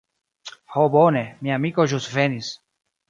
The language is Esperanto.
Ho bone, mia amiko ĵus venis.